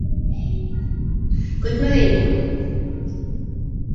Көтмәгәйнеңме?